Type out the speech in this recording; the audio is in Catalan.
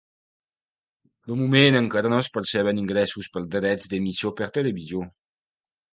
De moment, encara no es perceben ingressos per drets d'emissió per televisió.